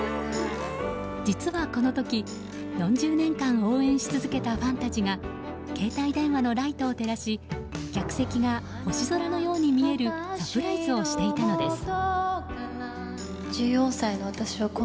実はこの時、４０年間応援し続けたファンたちが携帯電話のライトを照らし客席が星空のように見えるサプライズをしていたのです。